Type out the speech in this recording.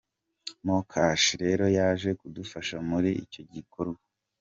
MoKash rero yaje kudufasha muri icyo gikorwa.